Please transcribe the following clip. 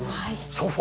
ソファ。